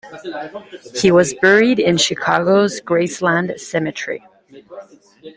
He was buried in Chicago's Graceland Cemetery.